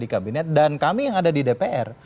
di kabinet dan kami yang ada di dpr